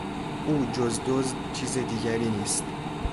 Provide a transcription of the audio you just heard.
او جز دزد چیز دیگری نیست.